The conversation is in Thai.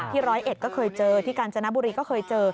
ร้อยเอ็ดก็เคยเจอที่กาญจนบุรีก็เคยเจอ